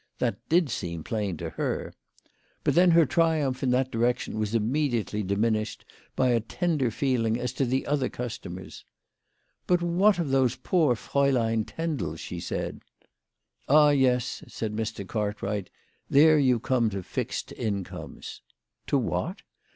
That did seem plain to her. But then her triumph in that direction was immedi ately diminished by a tender feeling as to other cus tomers. " But what of those poor Fraulein Tendels ?" she said. " Ah, yes/' said Mr. Cartwright. " There you come to fixed incomes." "To what?"